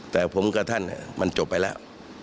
แต่ผมกับท่านมันจบไปแล้ว